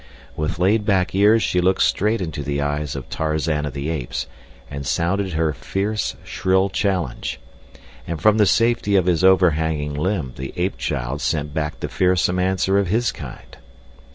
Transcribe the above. With back laid ears she looked straight into the eyes of Tarzan of the Apes and sounded her fierce, shrill challenge. And from the safety of his overhanging limb the ape child sent back the fearsome answer of his kind.